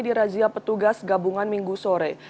dirazia petugas gabungan minggu sore